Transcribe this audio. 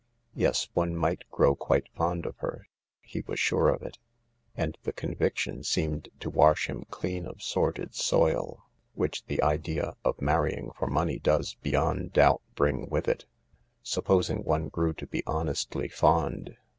Yes, one might grow quite fond of her; he was sure of it. And the conviction seemed to wash him clean of sordid soil which the idea of " marrying for money " does beyond doubt bring with it . Supposing one grew to be honestly fond